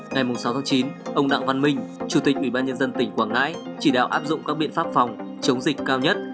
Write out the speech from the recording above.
ngày sáu chín ông đặng văn minh chủ tịch ubnd tỉnh quảng ngãi chỉ đạo áp dụng các biện pháp phòng chống dịch cao nhất